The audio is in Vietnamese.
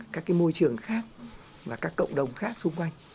các cái môi trường khác và các cộng đồng khác xung quanh